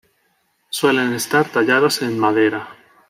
Suelen estar tallados en madera.